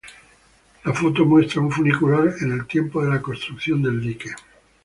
La foto muestra un funicular en el tiempo de la construcción del dique.